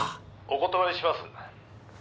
「お断りします」